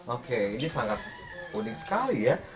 oke ini sangat unik sekali ya